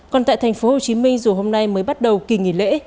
còn tại thành phố hồ chí minh dù hôm nay mới bắt đầu kỳ nghỉ lễ